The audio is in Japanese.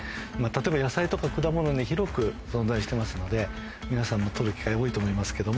例えば野菜とか果物に広く存在してますので皆さんも取る機会多いと思いますけども。